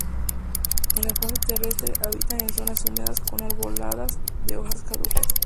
En la fase terrestre habitan en zonas húmedas con arboladas de hojas caducas.